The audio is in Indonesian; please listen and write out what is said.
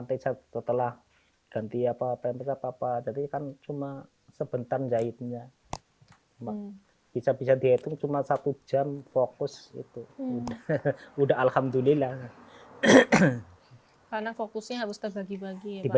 ia telah mampu mandiri melampaui keterbatasan fisiknya